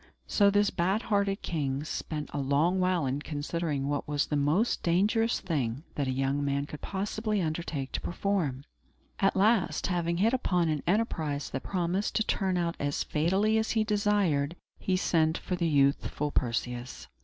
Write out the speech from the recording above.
So this bad hearted king spent a long while in considering what was the most dangerous thing that a young man could possibly undertake to perform. At last, having hit upon an enterprise that promised to turn out as fatally as he desired, he sent for the youthful Perseus.